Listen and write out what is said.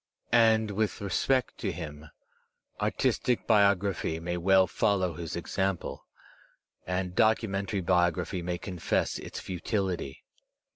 And, with respect to him, artistic biography may weO fol low his example, and documentary biography may confess its futility.